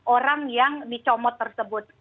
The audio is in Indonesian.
orang yang dicomot tersebut